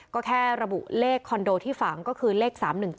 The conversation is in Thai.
ก็แค่ระบุเลขคอนโดที่ฝังก็คือเลข๓๑๗